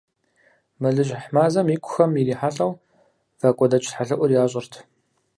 Мэлыжьыхь мазэм икухэм ирихьэлӀэу, вакӀуэдэкӀ тхьэлъэӀур ящӀырт.